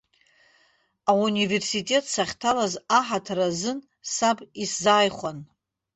Ауниверситет сахьҭалаз аҳаҭыр азы саб исзааихәан.